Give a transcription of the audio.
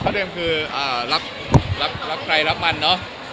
กฎ๋แล้วคือรับไกรรับมันเนาะ